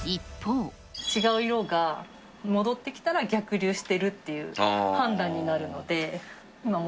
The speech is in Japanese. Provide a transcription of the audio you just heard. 違う色が戻ってきたら逆流してるっていう判断になるので。